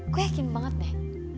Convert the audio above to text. gue yakin banget deh